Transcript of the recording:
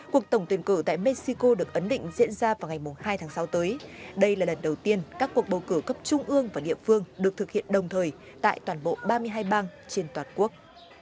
cuộc tổng tuyển cử tại mexico được ấn định diễn ra vào ngày hai tháng sáu tới đây là lần đầu tiên các cuộc bầu cử cấp trung ương và địa phương được thực hiện đồng thời tại toàn bộ ba mươi hai bang trên toàn quốc